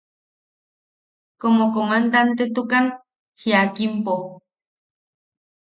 Como comandantetukan jiakimpo.